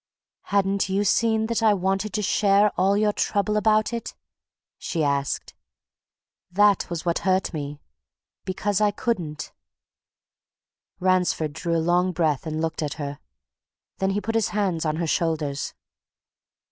"Hadn't you seen that I wanted to share all your trouble about it?" she asked. "That was what hurt me because I couldn't!" Ransford drew a long breath and looked at her. Then he put his hands on her shoulders.